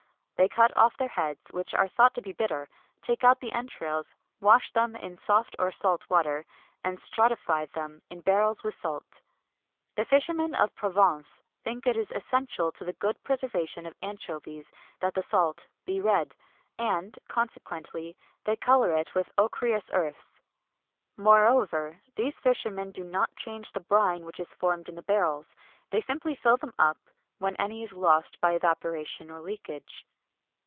They cut off their heads, which are thought to be bitter, take out the entrails, wash them in soft or salt water, and stratify them in barrels with salt. The fishermen of Provence think it is essential to the good preservation of anchovies that the salt be red; and, consequently, they colour it with ochreous earths. Moreover, these fishermen do not change the brine which is formed in the barrels: they simply fill them up when any is lost by evaporation or leakage.